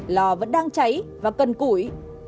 lò vẫn đang cháy và cần củi